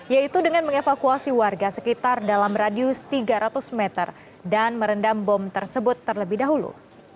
yaitu dengan mengevakuasi warga sekitar dalam radius tiga ratus meter dan merendam bom tersebut terlebih dahulu